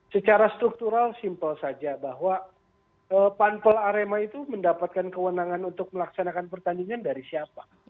secara struktural simpel saja bahwa pampel arema itu mendapatkan kewenangan untuk melaksanakan pertandingan dari siapa